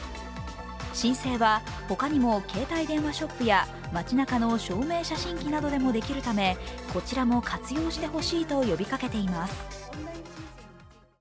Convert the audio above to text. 申請は、ほかにも携帯電話ショップや街なかの証明写真機などでもできるためこちらも活用してほしいと呼びかけています。